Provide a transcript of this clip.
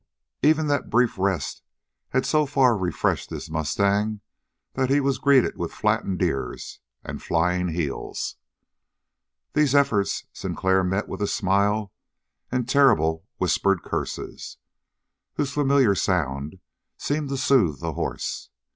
Even that brief rest had so far refreshed his mustang that he was greeted with flattened ears and flying heels. These efforts Sinclair met with a smile and terrible whispered curses, whose familiar sound seemed to soothe the horse.